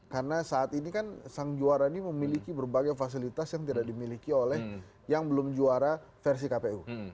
karena saat ini kan sang juara ini memiliki berbagai fasilitas yang tidak dimiliki oleh yang belum juara versi kpu